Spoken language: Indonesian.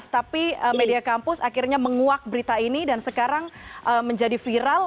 tapi media kampus akhirnya menguak berita ini dan sekarang menjadi viral